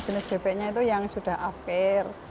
jenis bebeknya itu yang sudah akhir